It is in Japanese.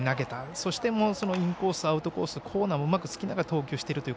そして、インコースアウトコースコーナーもうまくつきながら投球している。